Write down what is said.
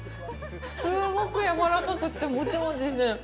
すーごくやわらかくてもちもちしてる。